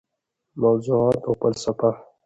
موضوعات او فلسفه: